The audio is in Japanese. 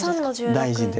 大事で。